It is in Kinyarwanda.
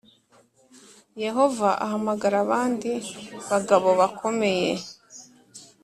Yehova ahamagara abandi bagabo bakomeye